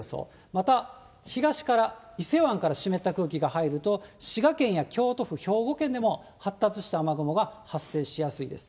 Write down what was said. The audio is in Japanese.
また東から、伊勢湾から湿った空気が入ると、滋賀県や京都府、兵庫県でも発達した雨雲が発生しやすいです。